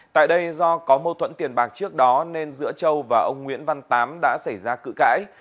tại đây do có mâu thuẫn tiền bạc trước đó nên giữa châu và ông nguyễn văn tám đã xảy ra cự cãi